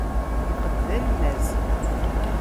Lqed d alemmas.